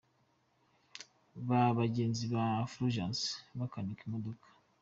Ba genzi ba Fulgence bakanika imodoka.